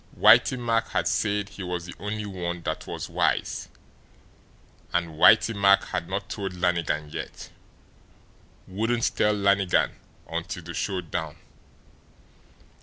Whitey Mack had said he was the only one that was wise and Whitey Mack had not told Lannigan yet, wouldn't tell Lannigan until the show down.